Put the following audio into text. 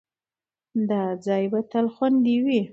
دا ځای به تل خوندي وي.